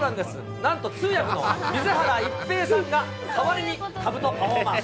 なんと通訳の水原一平さんが、代わりにかぶとパフォーマンス。